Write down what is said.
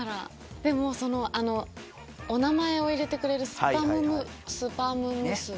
でもお名前を入れてくれるスパムむスパムむすび。